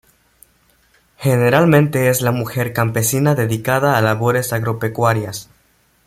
Generalmente es la mujer campesina dedicada a labores agropecuarias.